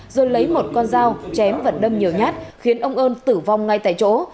rồi lấy một con dao chém và đâm nhiều nhát khiến ông ơn tử vong ngay tại chỗ